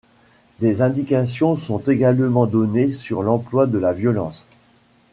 Des indications sont également données sur l'emploi de la violence.